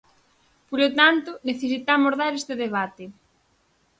Polo tanto, necesitamos dar este debate.